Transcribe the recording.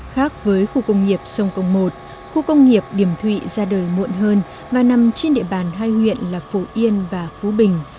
khác với khu công nghiệp sông công một khu công nghiệp điểm thụy ra đời muộn hơn và nằm trên địa bàn hai huyện là phổ yên và phú bình